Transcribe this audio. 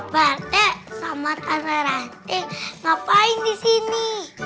pak rete sama tante ranti ngapain di sini